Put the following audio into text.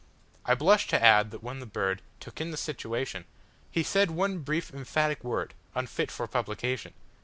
I blush to add that when the birdTook in the situationHe said one brief, emphatic word, Unfit for publication.